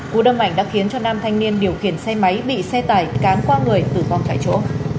cụ đông ảnh đã khiến cho nam thanh niên điều khiển xe máy bị xe tải cám qua người tử vong tại chỗ